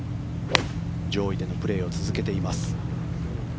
上位でのプレーを続けています。